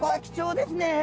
貴重ですね。